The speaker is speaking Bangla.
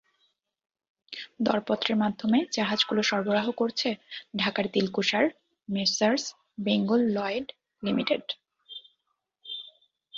দরপত্রের মাধ্যমে জাহাজগুলো সরবরাহ করছে ঢাকার দিলকুশার মেসার্স বেঙ্গল লয়েড লিমিটেড।